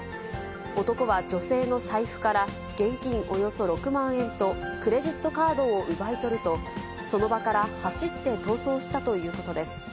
男は女性の財布から、現金およそ６万円とクレジットカードを奪い取ると、その場から走って逃走したということです。